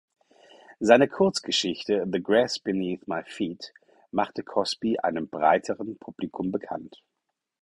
Seine Kurzgeschichte "The Grass Beneath My Feet" machte Cosby einem breiteren Publikum bekannt.